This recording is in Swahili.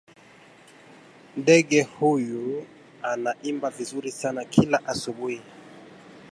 Ndege huyu anaimba vizuri sana kila asubuhi